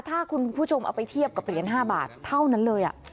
ถ้าคุณผู้ชมเอาไปเทียบกับเหรียญ๕บาทเท่านั้นเลย